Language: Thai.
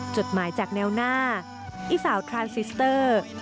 จดหมายจากแนวหน้าอีสาวทรานซิสเตอร์